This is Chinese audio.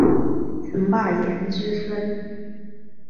岑伯颜之孙。